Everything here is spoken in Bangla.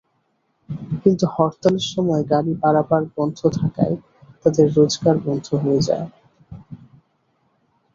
কিন্তু হরতালের সময় গাড়ি পারাপার বন্ধ থাকায় তাঁদের রোজগার বন্ধ হয়ে যায়।